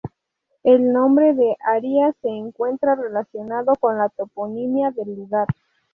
El nombre de Haría se encuentra relacionado con la toponimia del lugar.